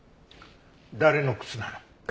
誰の靴なの？